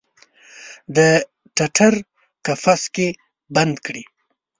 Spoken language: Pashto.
د ټټر قفس کې بند کړي